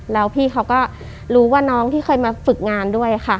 แล้วพี่เขาก็รู้ว่าน้องที่เคยมาฝึกงานด้วยค่ะ